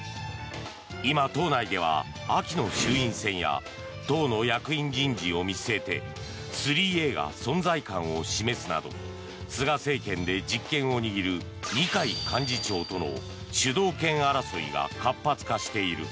今、党内では秋の衆院選や党の役員人事を見据えて３Ａが存在感を示すなど菅政権で実権を握る二階幹事長との間での主導権争いが活発化している。